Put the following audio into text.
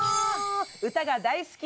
歌が大好き！